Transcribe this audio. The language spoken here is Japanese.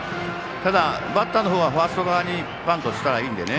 ただ、バッターの方はファースト側にバントをしたらいいので。